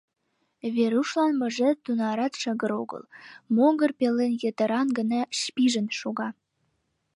Верушлан мыжер тунарат шыгыр огыл, могыр пелен йытыран гына пижын шога.